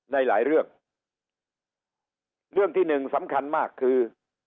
ในหลายเรื่องเรื่องที่หนึ่งสำคัญมากคือ